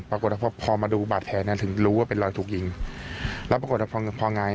ปรากฏภพพอมาดูบาดแทนเนี่ยถึงรู้ว่าเป็นรอยถูกยิงแล้วปรากฏภพพอไง